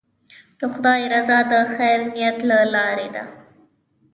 د خدای رضا د خیر نیت له لارې ده.